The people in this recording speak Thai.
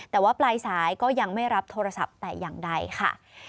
แต่ว่าปลายสายก็ยังไม่รับโทรศัพท์แต่อย่างใดค่ะ